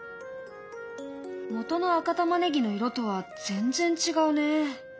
元の赤タマネギの色とは全然違うね。